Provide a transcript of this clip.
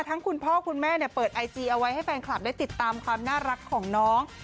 คุณพ่อคุณแม่เปิดไอจีเอาไว้ให้แฟนคลับได้ติดตามความน่ารักของน้อง